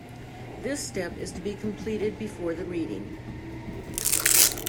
This step is to be completed before the reading.